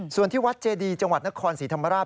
ส่วนที่วัดเจดีจังหวัดนครศรีธรรมราช